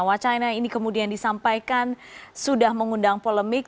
wacana ini kemudian disampaikan sudah mengundang polemik